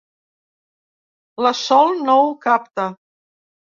La Sol no ho capta.